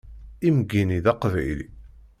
Imeggi-nni d Aqbayli.